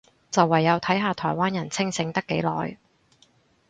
就唯有睇下台灣人清醒得幾耐